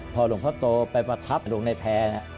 พอหลวงพ่อโตไปประทับหลวงในแพร่